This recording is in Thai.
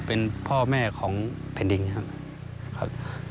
เป็นพ่อแม่ของแผ่นดินครับ